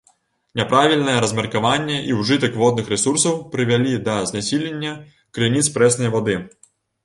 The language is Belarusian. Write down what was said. Няправільнае размеркаванне і ўжытак водных рэсурсаў прывялі да знясілення крыніц прэснай вады.